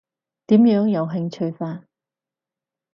點樣有興趣法？